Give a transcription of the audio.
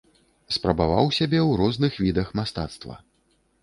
Спрабаваў сябе ў розных відах мастацтва.